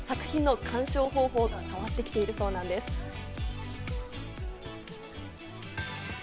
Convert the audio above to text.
今、作品の鑑賞方法が変わってきているそうなんです。